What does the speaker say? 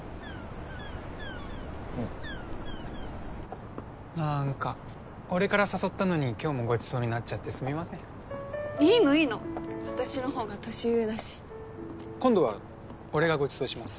うんなんか俺から誘ったのに今日もごちそうになっちゃってすみませんいいのいいの私の方が年上だし今度は俺がごちそうします